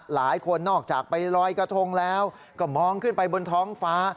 หลายคนนอกจากไปลอยกระทงแล้วก็มองขึ้นไปบนท้องฟ้า